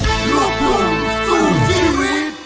ขอบคุณครับ